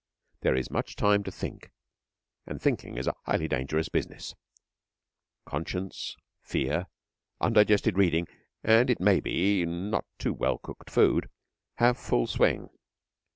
There is much time to think, and thinking is a highly dangerous business. Conscience, fear, undigested reading, and, it may be, not too well cooked food, have full swing.